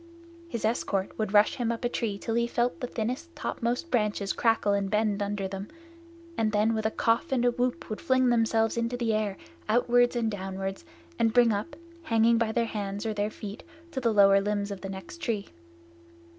His escort would rush him up a tree till he felt the thinnest topmost branches crackle and bend under them, and then with a cough and a whoop would fling themselves into the air outward and downward, and bring up, hanging by their hands or their feet to the lower limbs of the next tree.